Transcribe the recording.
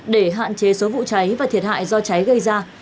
để hạn chế số vụ cháy và thiệt hại do cháy gây ra